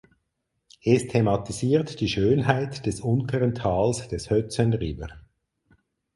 Es thematisiert die Schönheit des unteren Tals des Hudson River.